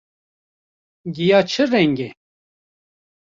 Giya çi reng e?